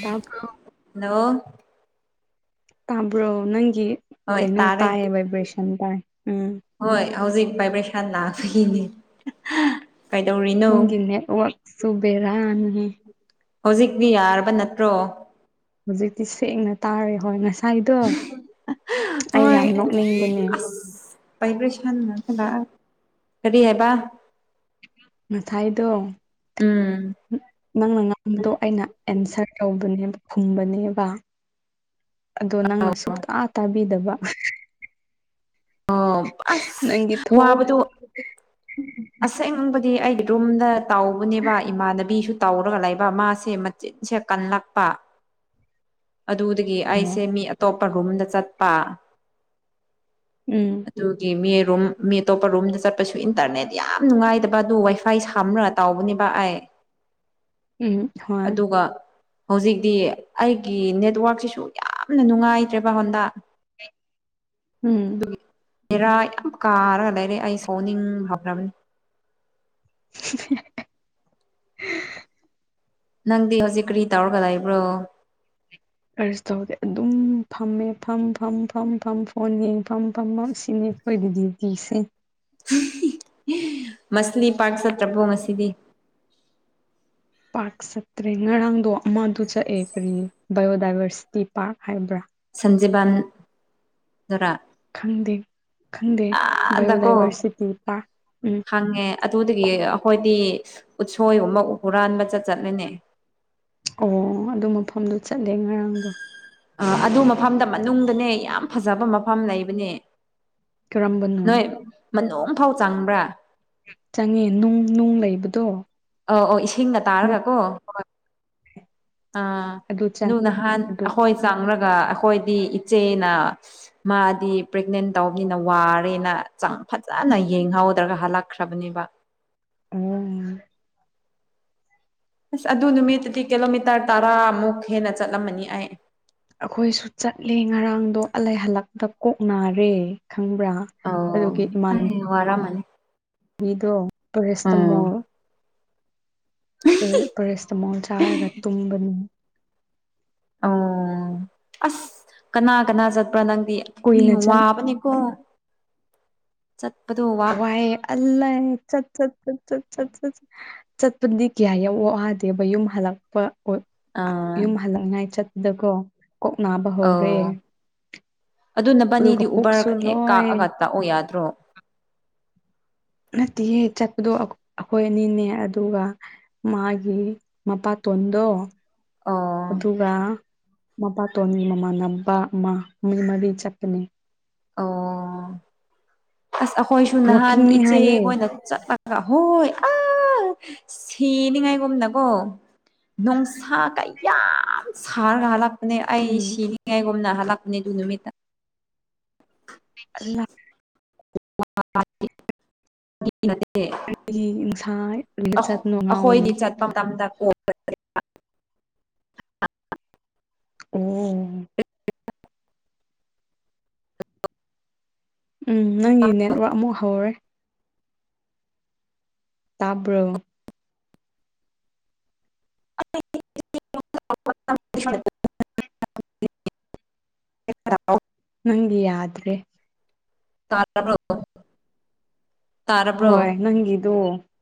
ꯇꯥꯕ꯭ꯔꯣ ꯇꯥꯕ꯭ꯔꯣ ꯅꯪꯒꯤ ꯍꯣꯏ ꯀꯩꯅꯣ ꯇꯥꯔꯦ ꯇꯥꯏ ꯚꯥꯏꯕ꯭ꯔꯦꯁꯟ ꯇꯥꯏ ꯎꯝ ꯍꯣꯏ ꯍꯧꯖꯤꯛ ꯚꯥꯏꯕ꯭ꯔꯦꯁꯟ ꯂꯥꯛꯄꯒꯤꯅꯦ ꯀꯩꯗꯧꯔꯤꯅꯤ ꯅꯪꯒꯤ ꯅꯦꯠꯋꯥꯛꯁꯨ ꯕꯦꯔꯥ ꯅꯦꯍꯦ ꯍꯧꯖꯤꯛꯇꯤ ꯌꯥꯔꯕ ꯅꯠꯇ꯭ꯔꯣ ꯍꯧꯖꯤꯛꯇꯤ ꯁꯦꯡꯅ ꯇꯥꯔꯦ ꯍꯣꯏ ꯉꯁ ꯍꯣꯏ ꯅꯣꯛꯅꯤꯡꯕꯅꯦ ꯑꯁ ꯚꯥꯏꯕ꯭ꯔꯦꯁꯟ ꯉꯛꯇ ꯂꯥꯛ ꯀꯔꯤ ꯍꯥꯏꯕ ꯉꯊꯥꯏꯗꯣ ꯎꯝ ꯅꯪꯅ ꯉꯥꯡꯕꯗꯣ ꯑꯩꯅ ꯑꯦꯟꯁꯔ ꯇꯧꯕꯅꯦꯕ ꯈꯨꯝꯕꯅꯦꯕ ꯑꯗꯣ ꯅꯪꯅ ꯁꯨꯡꯛꯇ ꯇꯥꯕꯤꯗꯕ ꯑꯣ ꯑꯁ ꯅꯪꯒꯤ ꯊꯣꯛ ꯋꯥꯕꯗꯨ [inaudible] ꯑꯁꯦꯡꯕꯗꯤ ꯑꯩꯗꯤ ꯔꯨꯝꯗ ꯇꯥꯎꯕꯅꯦꯕ ꯏꯃꯥꯟꯅꯕꯤꯁꯨ ꯇꯧꯔꯒ ꯂꯩꯕ ꯃꯥꯁꯦ ꯃꯆꯤꯟꯁꯦ ꯀꯜꯂꯛꯄ ꯑꯗꯨꯗꯒꯤ ꯑꯩꯁꯦ ꯃꯤ ꯑꯇꯣꯞꯄ ꯔꯨꯝꯗ ꯆꯠꯄ ꯎꯝ ꯑꯗꯨꯒꯤ ꯃꯤ ꯔꯨꯝ ꯃꯤ ꯑꯇꯣꯞꯄ ꯔꯨꯝꯗ ꯆꯠꯄꯁꯨ ꯏꯟꯇꯔꯅꯦꯠ ꯌꯥꯝ ꯅꯨꯡꯉꯥꯏꯗꯕ ꯑꯗꯨ ꯋꯥꯏꯐꯥꯏ ꯁꯝ꯭ꯔ ꯇꯥꯎꯕꯅꯦꯕ ꯑꯩꯥꯏ ꯎꯝ ꯍꯣꯏ ꯑꯗꯨꯒ ꯍꯧꯖꯤꯛꯇꯤ ꯑꯩꯒꯤ ꯅꯦꯠꯋꯥꯛꯛꯁꯤꯁꯨ ꯌꯥꯝꯅ ꯅꯨꯡꯉꯥꯏꯇ꯭ꯔꯦ ꯍꯣꯟꯗ ꯎꯝ ꯑꯗꯨꯒꯤ ꯕꯦꯔꯥ ꯌꯥꯝ ꯀꯥꯔꯒ ꯂꯩꯔꯦ ꯑꯩ ꯁꯣꯛꯅꯤꯡ ꯐꯞꯕꯅꯤ [unintelligible] ꯅꯪꯗꯤ ꯍꯧꯖꯤꯛ ꯀꯔꯤ ꯇꯧꯔꯒ ꯂꯩꯕ꯭ꯔꯣ꯫ ꯀꯔꯁꯨ ꯇꯧꯗꯦ ꯑꯗꯨꯝ ꯐꯝꯃꯦ ꯐꯝ ꯐꯝ ꯐꯝ ꯐꯝ ꯐꯣꯟ ꯌꯦꯡ ꯐꯝ ꯐꯝ ꯐꯝ ꯁꯤꯅꯤ ꯑꯩꯈꯣꯏꯒꯤ ꯗꯤꯇꯤꯁꯦ ꯃꯁꯂꯤ ꯄꯥꯛ ꯆꯠꯇ꯭ꯔꯕꯣ ꯉꯁꯤꯗꯤ꯫ ꯄꯥꯔꯛ ꯆꯠꯇ꯭ꯔꯦ ꯉꯔꯥꯡꯗꯣ ꯑꯃꯗ ꯆꯠꯑꯦ ꯀꯔꯤ ꯕꯥꯏꯑꯣꯗꯥꯏꯚꯔꯁꯤꯇꯤ ꯄꯥꯔꯛ ꯍꯥꯏꯕ꯭ꯔꯥ꯫ ꯁꯟꯖꯤꯕꯥꯟ ꯗꯨꯔꯥ ꯈꯪꯗꯦ ꯈꯪꯗꯦ ꯑꯥꯗꯀꯣ ꯕꯥꯏꯑꯣꯗꯥꯏꯚꯔꯁꯤꯇꯤ ꯄꯥꯛ ꯎꯝ ꯍꯪꯉꯦ ꯑꯗꯨꯗꯒꯤ ꯑꯩꯈꯣꯏꯗꯤ ꯎꯠꯁꯣꯏꯒꯨꯝꯕ ꯍꯨꯔꯥꯟꯕ ꯆꯠ ꯆꯠꯂꯦꯅꯦ ꯑꯣ ꯑꯗꯨ ꯃꯐꯝꯗꯣ ꯆꯠꯂꯦ ꯉꯔꯥꯡꯗꯣ ꯑ ꯑꯗꯨ ꯃꯐꯝꯗ ꯃꯅꯨꯡꯗꯅꯦ ꯌꯥꯝ ꯐꯖꯕ ꯃꯐꯝ ꯂꯩꯕꯅꯦ ꯀꯔꯝꯕꯅꯣ ꯅꯣꯏ ꯃꯅꯨꯡ ꯐꯥꯎ ꯆꯪꯕ꯭ꯔꯥ ꯆꯪꯉꯦ ꯅꯨꯡ ꯅꯨꯡ ꯂꯩꯕꯗꯣ ꯑꯣ ꯑꯣ ꯏꯁꯤꯡꯒ ꯇꯥꯔꯒ ꯅꯨꯡ ꯀꯣ ꯍꯣꯏ ꯑ ꯑꯗꯨ ꯆꯪꯉꯦ ꯅꯍꯥꯟ ꯑꯗꯨ ꯑꯩꯈꯣꯏ ꯆꯪꯪꯂꯒ ꯑꯩꯈꯣꯏꯗꯤ ꯏꯆꯦꯅ ꯃꯥꯗꯤ ꯄ꯭ꯔꯦꯒꯅꯦꯟ ꯇꯧꯕꯅꯤꯅ ꯋꯥꯔꯦꯅ ꯍꯛꯆꯥꯡ ꯐꯖꯅ ꯌꯦꯡꯍꯧꯗ꯭ꯔꯒ ꯍꯜꯂꯛꯈ꯭ꯔꯕꯅꯦꯕ ꯑꯣ ꯑꯁ ꯑꯗꯨ ꯅꯨꯃꯤꯠꯇꯨꯗꯤ ꯀꯤꯂꯣꯃꯤꯇꯔ ꯇꯔꯥꯃꯨꯛ ꯍꯦꯟꯅ ꯆꯠꯂꯝꯃꯅꯤ ꯑꯩ ꯑꯩꯈꯣꯏꯁꯨ ꯆꯠꯂꯦ ꯉꯔꯥꯡꯗꯣ ꯑꯂꯩ ꯍꯜꯂꯛꯄꯗ ꯀꯣꯛ ꯅꯔꯦ ꯈꯪꯕ꯭ꯔꯥ ꯑꯣ ꯑꯗꯨꯒꯤ ꯑꯦ ꯋꯥꯔꯝꯃꯅꯤ ꯒꯤꯗꯣ ꯄꯦꯔ ꯎꯝ ꯁꯤꯇꯃꯣꯟ ꯄꯔꯦꯁꯤꯇꯃꯣꯜ ꯆꯥꯔꯒ ꯇꯨꯝꯕꯅꯤ ꯑꯣ ꯑꯁ ꯀꯅꯥ ꯀꯅꯥ ꯆꯠꯄ꯭ꯔꯥ ꯅꯪ ꯊꯤ ꯀꯨꯏꯅ ꯆꯪ ꯋꯥꯕꯅꯤꯀꯣ ꯆꯠꯄꯗꯣ ꯋꯥ ꯋꯥꯏꯌꯦ ꯑꯜꯂꯥꯢ ꯆꯠ ꯆꯠ ꯆꯠ ꯆꯠ ꯆꯠ ꯆꯠꯠ ꯆꯠꯄꯗꯤ ꯀꯌꯥ ꯋꯥꯗꯦꯕ ꯌꯨꯝ ꯍꯜꯂꯛ ꯑꯥ ꯌꯨꯝ ꯍꯜꯂꯛꯅꯤꯉꯥꯏ ꯆꯠꯄꯗꯀꯣ ꯀꯣꯛ ꯅꯥꯕ ꯑꯧ ꯍꯧꯔꯦ ꯑꯗꯨ ꯑꯗꯨꯒ ꯅꯕꯅꯤꯗꯤ ꯎꯕꯔ ꯄꯨꯛꯁꯨ ꯍꯦꯛ ꯀꯥꯛꯑꯒ ꯂꯣꯏ ꯂꯥꯛꯑꯣ ꯌꯥꯗ꯭ꯔꯣ ꯅꯠꯇꯦꯌꯦ ꯆꯠꯕꯗꯣ ꯍꯣꯏ ꯑꯅꯤꯅꯦ ꯑꯗꯨꯒ ꯃꯥꯒꯤ ꯃꯄꯥꯇꯣꯟꯗꯣ ꯑꯣ ꯑꯗꯨꯒ ꯃꯄꯥꯇꯣꯟꯒꯤ ꯃꯃꯥꯟꯅꯕ ꯑꯃ ꯃꯤ ꯃꯔꯤ ꯆꯠꯄꯅꯦ ꯑꯣ ꯑꯁ ꯑꯩꯈꯣꯏꯁꯨ ꯅꯍꯥꯟ ꯋꯥꯛꯀꯤꯡꯅꯦ ꯍꯥꯏꯌꯦ ꯏꯆꯦꯈꯣꯏꯅ ꯆꯠꯄꯒ ꯍꯣꯏ ꯑꯥ ꯁꯤꯅꯤꯉꯥꯏꯒꯨꯝꯅꯀꯣ ꯅꯨꯡꯁꯥ ꯀꯌꯥꯝ ꯁꯥꯔꯒ ꯍꯥꯜꯂꯛꯄꯅꯦ ꯑꯩ ꯎꯝ ꯁꯤ ꯍꯥꯢꯒꯨꯝꯅ ꯍꯥꯥꯜꯂꯛꯄꯅꯦ ꯑꯗꯨꯢ ꯅꯨꯃꯤꯠꯇ ꯑꯂꯥ [unintelligible] ꯅꯠꯇꯦ ꯅꯨꯡꯁꯥ ꯆꯠꯅꯣ ꯉꯥꯎꯏ ꯑꯩꯈꯣꯏꯗꯤ ꯆꯠꯄ ꯃꯇꯝꯗ ꯀꯣ ꯑꯣ ꯎꯝ ꯅꯪꯒꯤ ꯅꯦꯠꯋꯥꯛ ꯑꯃꯨꯛ ꯍꯧꯔꯦ ꯇꯥꯕ꯭ꯔꯣ [unintelligible] ꯔꯑꯣ ꯅꯪ ꯌꯥꯗ꯭ꯔꯦ ꯇ ꯍꯣꯏ ꯅꯪꯒꯤꯗꯣ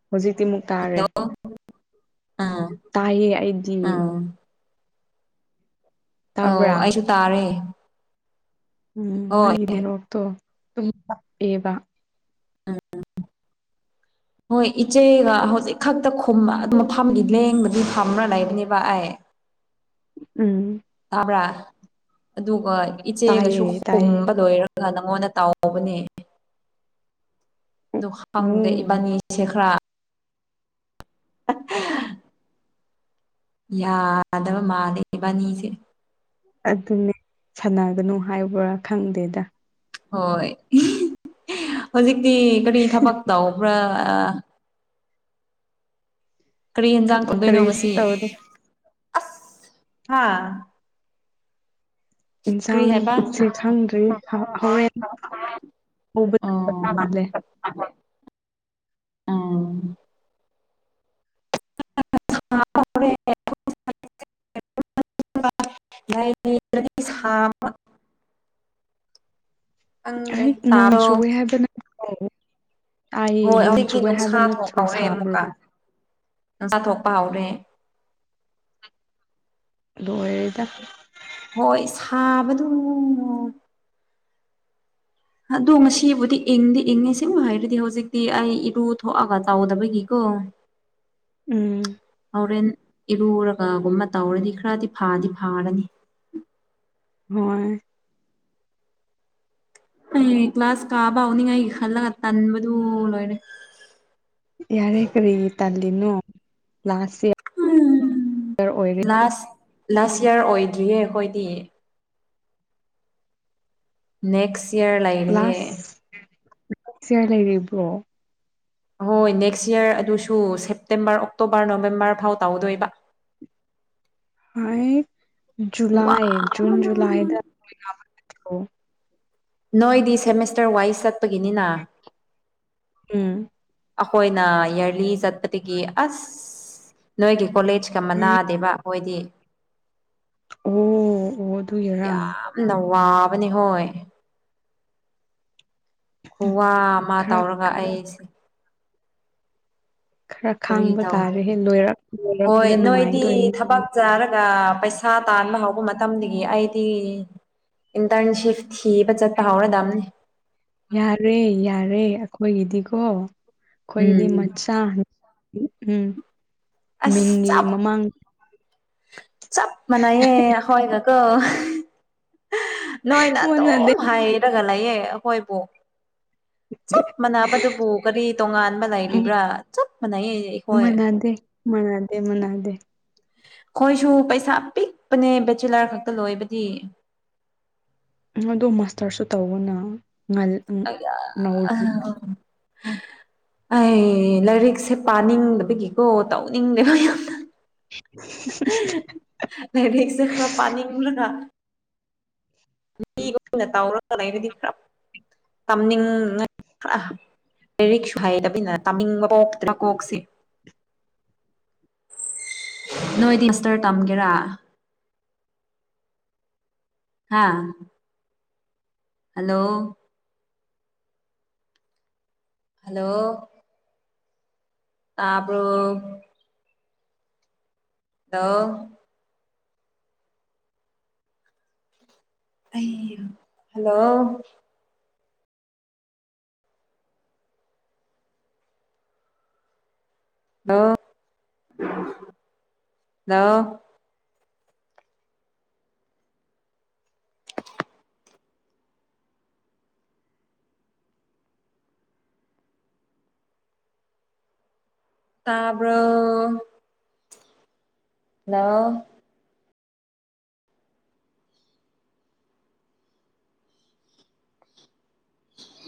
ꯍꯧꯖꯤꯛꯇꯤꯃꯨꯛ ꯇꯥꯔꯦ ꯍꯜꯂꯣ ꯑꯥ ꯇꯥꯏꯌꯦ ꯑꯩꯗꯤ ꯑꯥ ꯑ ꯇꯥꯕ꯭ꯔꯥ ꯑꯩꯁꯨ ꯇꯥꯔꯦ ꯎꯝ ꯅꯪ ꯍꯣꯏ ꯏ ꯅꯦꯠ ꯋꯥꯥꯛ ꯇꯣꯦꯕ ꯍꯣꯏ ꯏꯆꯦꯒ ꯍꯧꯖꯤꯛ ꯈꯛꯇ ꯈꯨꯝ ꯑꯗꯨ ꯃꯐꯝꯒꯤ ꯂꯦꯡꯕꯗꯤ ꯐꯝꯕ꯭ꯔꯥ ꯂꯩꯕꯅꯦꯕ ꯑꯩ ꯎꯝ ꯇꯥꯕ꯭ꯔꯥ ꯑꯗꯨꯒ ꯏꯆꯦꯒꯁꯨ ꯇꯥꯏꯌꯦ ꯇꯥꯏꯌꯦ ꯍꯣꯝꯕ ꯂꯣꯏꯔ ꯑꯗꯨꯒ ꯅꯪꯉꯣꯟꯗ ꯇꯥꯎꯧꯕꯅꯦ ꯅꯍꯥꯡꯗ ꯎꯝ ꯏꯕꯥꯅꯤ ꯁꯦ ꯈꯔ [unintelligible] ꯌꯥꯗꯕ ꯃꯥꯜꯂꯦ ꯏꯕꯥꯅꯤꯁꯦ ꯑꯗꯨꯅꯦ ꯁꯥꯟꯅꯒꯅꯨ ꯍꯥꯏꯕ꯭ꯔꯥ ꯈꯪꯗꯦꯗ ꯍꯣꯏ ꯍꯧꯖꯤꯛꯇꯤ ꯀꯔꯤ ꯊꯕꯛ ꯇꯧꯕ꯭ꯔꯥ ꯀꯔꯤ ꯌꯦꯟꯖꯥꯡ ꯊꯕꯛ ꯊꯣꯡꯗꯣꯏꯅꯣ ꯀꯔꯤꯁꯨ ꯉꯁꯤ ꯇꯧꯗꯦ ꯑꯁ ꯍꯥ ꯀ꯭ꯔꯤ ꯍꯥꯏꯕ ꯌꯦꯟꯁꯥꯡꯁꯦ ꯈꯪꯗ꯭ꯔꯤ ꯍꯣꯔꯦꯟ ꯎꯕ ꯃꯥꯦ ꯑꯥ ꯍꯦ ꯕ ꯈꯪꯗ꯭ꯔꯦ ꯑꯩ ꯅꯣꯡ ꯇꯥꯔꯣ ꯆꯨꯨꯔꯦ ꯍꯥꯏꯗꯅ ꯍꯣꯏ ꯍꯧꯖꯤꯛꯇꯤ ꯅꯨꯡꯁꯥ ꯊꯣꯛꯄ ꯅꯠꯇ꯭ꯔꯣ ꯍꯧꯔꯦ ꯁꯥꯕ꯭ꯔꯣ ꯑꯃꯨꯛꯀ ꯅꯨꯡꯁꯥ ꯊꯣꯛꯄ ꯍꯧꯔꯦ ꯂꯗ ꯍꯣꯏ ꯁꯥꯕꯗꯨ ꯑꯗꯣ ꯉꯁꯤꯕꯨꯗꯤ ꯏꯪꯗꯤ ꯏꯪꯉꯤ ꯁꯤꯕꯨ ꯍꯥꯏꯔꯗꯤ ꯍꯧꯖꯤꯛꯇꯤ ꯑꯩ ꯏꯔꯨ ꯊꯣꯛꯑꯒ ꯆꯥꯎꯗꯕꯒꯤꯀꯣ [unintelligible] ꯎꯝ ꯍꯣꯔꯦꯟ ꯏꯔꯨꯔꯒꯒꯨꯝꯕ ꯇꯧꯔꯗꯤ ꯈꯔꯗꯤ ꯐꯥꯗꯤ ꯐꯥꯔꯅꯤ ꯍꯣꯏ ꯑꯩ ꯀ꯭ꯂꯥꯁ ꯀꯥꯕ ꯍꯧꯥꯎꯅꯤꯡꯉꯥꯏꯒꯤ ꯈꯜꯂꯒ ꯇꯟꯕꯗꯨ ꯂꯣꯏꯔꯦ ꯌꯥꯔꯦ ꯀ꯭ꯔꯔꯤ ꯇ ꯂꯤꯅꯣ ꯂꯥꯁꯥꯁ ꯎꯝ ꯎ ꯂꯥꯁ ꯂꯥꯁ ꯏꯌꯥꯔ ꯑꯣꯏꯗ꯭ꯔꯤꯌꯦ ꯑꯩꯈꯣꯏꯗꯤ ꯅꯦꯛꯁ ꯏꯔ ꯂ ꯂꯩ ꯀ꯭ꯂꯥꯁ ꯆꯌꯥꯔ ꯂꯩꯔꯤꯕ꯭ꯔꯣ ꯑꯍꯣꯏ ꯅꯦꯛꯁ ꯌꯔ ꯑꯗꯨꯁꯨ ꯁꯦꯞꯇꯦꯝꯕꯔ ꯑꯣꯛꯇꯣꯕꯔ ꯅꯣꯕꯦꯝꯕꯔ ꯐꯥꯎ ꯇꯧꯗꯣꯏꯕ ꯍ ꯋꯥ ꯨꯂꯥꯏꯟ ꯨꯂꯥꯏꯗ ꯅꯣꯏꯗꯤ ꯁꯦꯃꯦꯁꯇꯔ ꯋꯥꯏꯁ ꯆꯠꯄꯒꯤꯅꯤꯅ ꯎꯝ ꯑꯩꯈꯣꯏꯅ ꯏꯔꯂꯤ ꯆꯠꯄꯗꯒꯤ ꯑꯁ ꯅꯣꯏꯒꯤ ꯀꯣꯂꯦꯖꯀ ꯃꯅꯥꯗꯦꯕ ꯍꯣꯏꯗꯤ ꯑꯣ ꯑꯣ ꯑꯗꯨꯒꯤꯔꯥ ꯌꯥꯝ ꯅꯋꯥꯕꯅꯦ ꯍꯣꯏ ꯈꯨꯋꯥ ꯑꯃ ꯈꯔ ꯇꯧꯔꯒ ꯑꯩꯁꯦ ꯈꯔ ꯀꯔꯤ ꯈꯥꯡꯕ ꯇꯗꯦ ꯇꯥꯔꯦꯍꯦ ꯂꯣꯏꯔꯛ ꯍꯣꯏ ꯂꯣꯏꯔꯛꯄꯗ ꯅꯣꯏꯗꯤ ꯅꯨꯡꯉꯥꯏꯗꯣꯏꯅꯤ ꯊꯕꯛ ꯆꯥꯔꯒ ꯄꯩꯁꯥ ꯊꯥ ꯇꯥꯟꯕ ꯍꯧꯕ ꯃꯇꯝꯗꯒꯤ ꯑꯩꯗꯤ ꯏꯟꯇꯔꯟꯁꯤꯞ ꯊꯤꯕ ꯆꯠꯄ ꯍꯧꯔꯗꯕꯅꯤ ꯌꯥꯔꯦ ꯌꯥꯔꯦ ꯑꯩꯈꯣꯏꯒꯤꯗꯤꯀꯣ ꯑꯩꯈꯣꯏꯒꯤꯗꯤ ꯎꯝ ꯃꯆꯥ ꯎꯝ ꯑꯁ ꯃꯤꯡꯒꯤ ꯆꯞ ꯃꯃꯥꯡ ꯃꯅꯥꯏꯌꯦ ꯍꯣꯏꯒ ꯀꯣ ꯅꯣꯏꯅ ꯑꯗꯨꯝ ꯃꯥꯟꯅꯗꯦ ꯍꯥꯏ ꯒ ꯂꯩꯌꯦ ꯍꯈꯣꯏꯕꯣ ꯆꯞ ꯃꯥꯟꯅꯕꯗꯨꯕꯨ ꯀꯔꯤ ꯇꯣꯉꯥꯟꯕ ꯎꯝ ꯂꯩꯔꯤꯕ꯭ꯔꯥ ꯆꯞ ꯃꯥꯟꯅꯩ ꯑꯩꯈꯣꯏ ꯃꯅꯥꯗꯦ ꯃꯅꯥꯗꯦ ꯑꯩꯈꯣꯏꯁꯨ ꯄꯩꯁꯥ ꯄꯤꯛꯄꯅꯦ ꯕꯦꯆꯤꯂꯔ ꯈꯛꯇ ꯂꯣꯏꯕꯗꯤ ꯑꯗꯣ ꯃꯥꯁꯇꯔꯁꯨ ꯇꯧꯕꯅ ꯉ ꯑ ꯑ ꯑꯩ ꯂꯥꯏꯔꯤꯛꯁꯦ ꯄꯥꯅꯤꯡꯗꯕꯒꯤꯀꯣ ꯇꯧꯅꯤꯡꯗꯦꯕ ꯌꯥꯝ ꯎ ꯁꯈ ꯄꯅꯤꯒꯂꯅ ꯃꯤꯒ ꯑꯣꯏꯅ ꯇꯥꯎꯔ ꯂꯩꯕꯗꯤ ꯈꯔ ꯇꯝꯅꯤꯡꯉ ꯈꯔ ꯔꯤ ꯍꯥꯏꯗ ꯇ ꯀꯁꯦ ꯅꯣꯏꯗꯤ ꯏꯁꯇꯔ ꯇꯝꯒꯦꯔꯥ ꯍꯥꯥ ꯍꯜꯂꯣ ꯍꯜꯂꯣ ꯇꯄꯣ ꯑ ꯑ ꯍꯜꯂꯣ ꯍ ꯂ ꯇꯥꯕ꯭ꯔꯣ ꯍꯦꯜꯂꯣ [unintelligible]